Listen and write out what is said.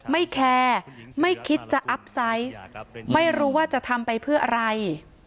แคร์ไม่คิดจะอัพไซส์ไม่รู้ว่าจะทำไปเพื่ออะไร